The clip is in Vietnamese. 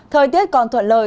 thời tiết còn thuận lời